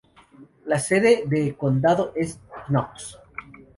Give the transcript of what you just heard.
La sede de condado es Knox.